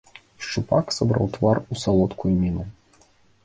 Шчупак сабраў твар у салодкую міну.